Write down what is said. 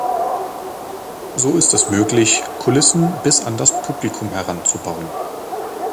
So ist es möglich, Kulissen bis an das Publikum heran zu bauen.